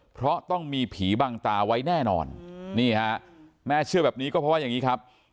เพราะต้องมีผีบังตาไว้แน่นอนนี่ฮะแม่เชื่อแบบนี้ก็เพราะว่าอย่างนี้ครับ